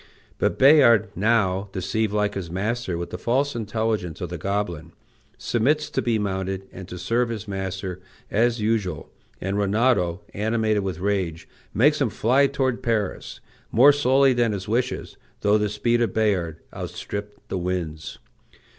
But Bayard now, deceived like his master with the false intelligence of the goblin, submits to be mounted and to serve his master as usual, and Rinaldo, animated with rage, makes him fly toward Paris, more slowly than his wishes, though the speed of Bayard outstripped the winds.